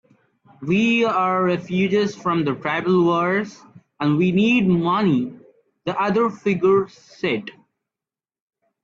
"We're refugees from the tribal wars, and we need money," the other figure said.